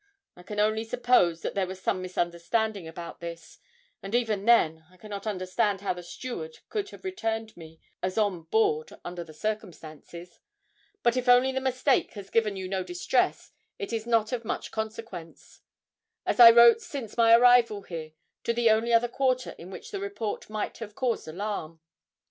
I can only suppose that there was some misunderstanding about this, and even then I cannot understand how the steward could have returned me as on board under the circumstances; but if only the mistake has given you no distress it is not of much consequence, as I wrote since my arrival here to the only other quarter in which the report might have caused alarm.